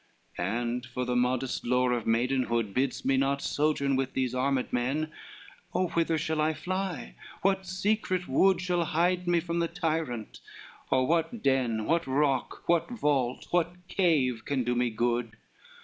LXXIII "And for the modest lore of maidenhood, Bids me not sojourn with these armed men, O whither shall I fly, what secret wood Shall hide me from the tyrant? or what den, What rock, what vault, what cave can do me good?